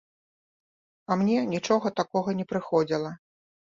А мне нічога такога не прыходзіла.